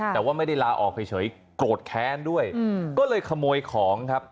แต่ว่าไม่ได้ลาออกเฉยโกรธแค้นด้วยก็เลยขโมยของครับ